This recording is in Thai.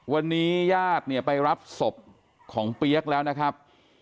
วันนี้ตัวแหลกรีบไปรับศพของเปรี้ยกแล้วนะครับ